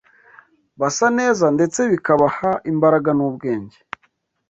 basa neza ndetse bikabaha imbaraga n’ubwenge.